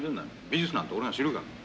美術なんて俺が知るか！